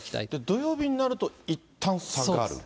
土曜日になると、いったん下がる。